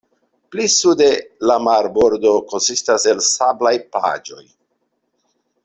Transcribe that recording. Pli sude la marbordo konsistas el sablaj plaĝoj.